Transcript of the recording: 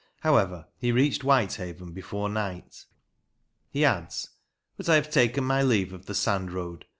However, he reached Whitehaven before night. He adds : But I have taken my leave of the sand road.